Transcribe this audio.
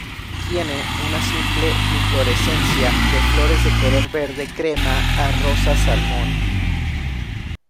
Tiene una simple inflorescencia de flores de color verde crema a rosa salmón.